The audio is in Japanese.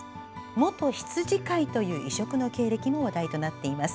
元羊飼いという異色の経歴も話題となっています。